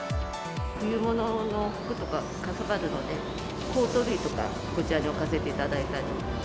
冬物の服とかかさばるので、コート類とか、こちらに置かせていただいたり。